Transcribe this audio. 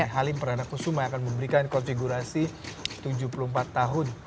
halim pranakusuma akan memberikan konfigurasi tujuh puluh empat tahun